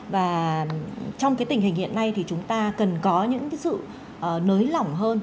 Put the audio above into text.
và trong cái tình hình hiện nay thì chúng ta cần có những cái sự nới lỏng hơn